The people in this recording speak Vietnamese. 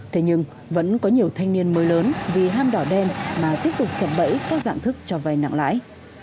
thế nhưng vẫn có nhiều thanh niên mới lớn vì ham đỏ đen mà tiếp tục sập bẫy các dạng thức cho vay nặng lãi